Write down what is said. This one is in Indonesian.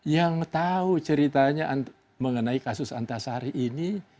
yang tahu ceritanya mengenai kasus antasari ini